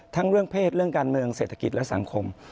ทั้งเรื่องเพศเรื่องการเมืองเศรษฐกิจและสังคม